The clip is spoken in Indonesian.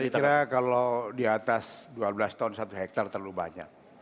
saya kira kalau di atas dua belas ton satu hektare terlalu banyak